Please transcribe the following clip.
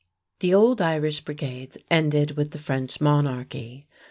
The old Irish brigades ended with the French monarchy.